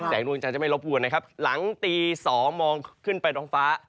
ดวงจันทร์จะไม่รบกวนนะครับหลังตี๒มองขึ้นไปท้องฟ้า